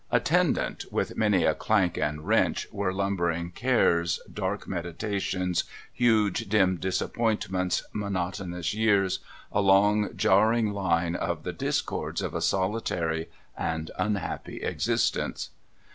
Atten dant, with many a clank and wrench, were lumbering cares, dark meditations, huge, dim disappointments, monotonous years, a long jarring line of the discords of a solitary and unhappy existence.